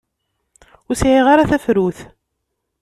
Ur sɛiɣ ara tafrut.